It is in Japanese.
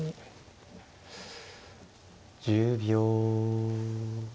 １０秒。